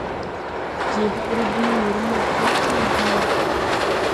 Je hobre bin weere maa bɛn kal dwęę.